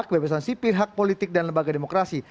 kebebasan sipil hak politik dan lembaga demokrasi